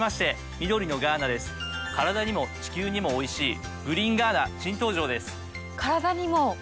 カラダにも地球にもおいしいグリーンガーナ新登場です。